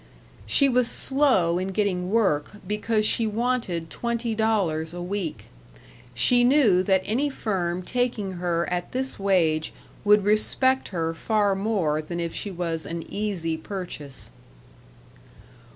She was slow in getting work because she wanted twenty dollars a week. She knew that any firm taking her at this wage would respect her far more than if she was an easy purchase.